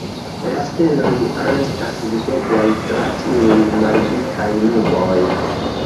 La steloj restas videblaj tra tiuj maldikaj nuboj.